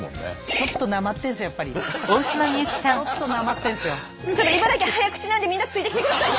ちょっと茨城早口なんでみんなついてきてくださいね。